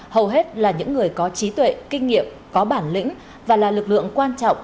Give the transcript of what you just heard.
hầu hết là những người có trí tuệ kinh nghiệm có bản lĩnh và là lực lượng quan trọng